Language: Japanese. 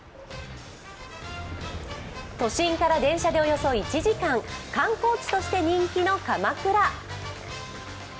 都心から電車でおよそ１時間、観光地として人気の鎌倉。